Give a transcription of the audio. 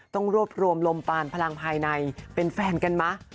ต้องรวบรวมลมปานพลังภายในเป็นแฟนกันมั้ย